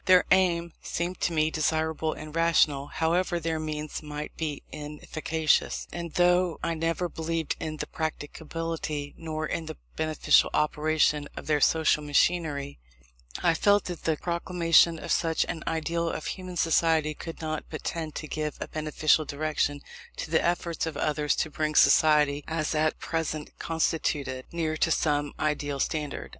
Their aim seemed to me desirable and rational, however their means might be inefficacious; and though I neither believed in the practicability, nor in the beneficial operation of their social machinery, I felt that the proclamation of such an ideal of human society could not but tend to give a beneficial direction to the efforts of others to bring society, as at present constituted, nearer to some ideal standard.